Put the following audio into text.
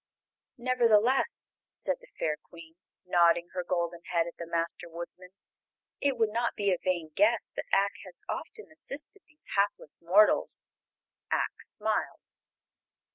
"Nevertheless," said the fair Queen, nodding her golden head at the Master Woodsman, "it would not be a vain guess that Ak has often assisted these hapless mortals." Ak smiled.